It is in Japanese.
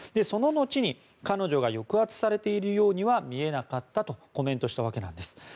その後に、彼女が抑圧されているようには見えなかったとコメントしたわけなんです。